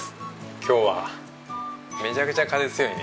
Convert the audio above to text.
今日はめちゃめちゃ風強いね。